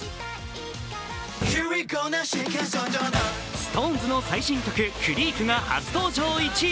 ＳｉｘＴＯＮＥＳの最新曲「ＣＲＥＡＫ」が発登場１位。